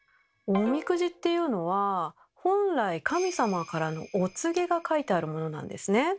おみくじっていうのは本来神様からのお告げが書いてあるものなんですね。